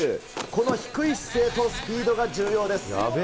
この低い姿勢とスピードが重要です。